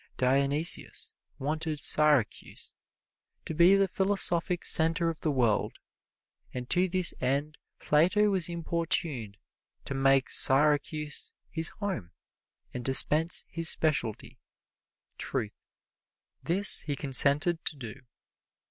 Dionysius wanted Syracuse to be the philosophic center of the world, and to this end Plato was importuned to make Syracuse his home and dispense his specialty truth. This he consented to do.